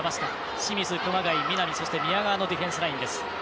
清水、熊谷、南そして宮川のディフェンスラインです。